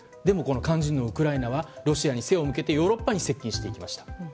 でも、肝心のウクライナはロシアに背を向けてヨーロッパに接近してきました。